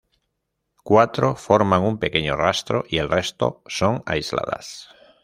Cuatro forman un pequeño rastro y el resto son aisladas.